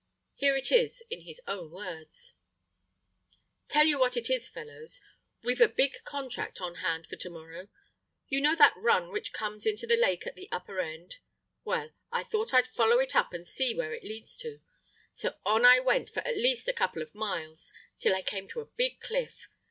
Here it is in his own words:— "Tell you what it is, fellows, we've a big contract on hand for to morrow. You know that run which comes into the lake at the upper end. Well, I thought I'd follow it up and see where it leads to; so on I went for at least a couple of miles till I came to a big cliff.